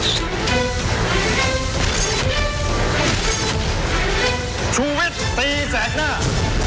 สวัสดีครับ